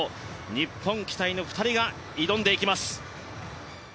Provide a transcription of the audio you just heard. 日本期待の２人が挑んでいきます。